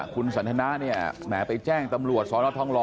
คุณสันทนาแหมไปแจ้งตำรวจสรทรทองร